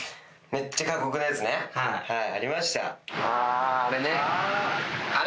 ああれね。